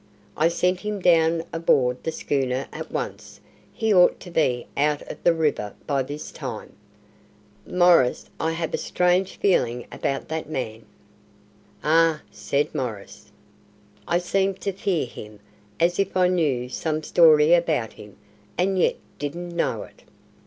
I sent him down aboard the schooner at once. He ought to be out of the river by this time." "Maurice, I have a strange feeling about that man." "Eh?" said Maurice. "I seem to fear him, as if I knew some story about him, and yet didn't know it."